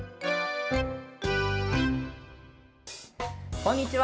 こんにちは。